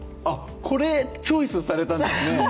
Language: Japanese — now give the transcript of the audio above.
これ、チョイスされたんですね。